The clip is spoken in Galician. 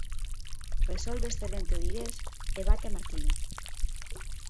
Resolve excelente o vigués e bate a Martínez.